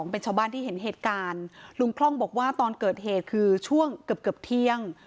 เป็นชาวบ้านที่เห็นเหตุการณ์ลุงคล่องบอกว่าตอนเกิดเหตุคือช่วงเกือบเกือบเที่ยง